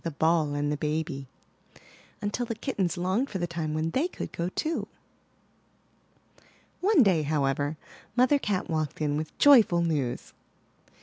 i8o IN THE NURSERY romp with a ball and the baby/* until the kittens longed for the time when they could go too. One day, however, Mother Cat walked in with joy ful news.